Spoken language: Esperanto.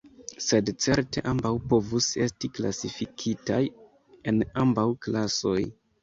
Sed certe ambaŭ povus esti klasifikitaj en ambaŭ klasoj.